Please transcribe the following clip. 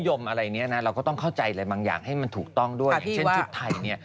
เอ้ยชุดไทยเป็นแบบว่าผ้าไฟ้ผ้าสิ้นอะไรอย่างเนี่ย